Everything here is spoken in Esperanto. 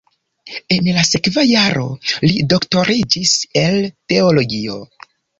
En la sekva jaro li doktoriĝis el teologio.